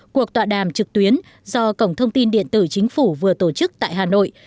cuộc tọa đàm trực tuyến do cổng thông tin điện tử chính phủ vừa tổ chức tại hà nội